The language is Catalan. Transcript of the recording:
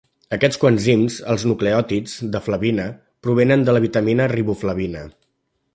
Aquests coenzims, els nucleòtids de flavina, provenen de la vitamina riboflavina.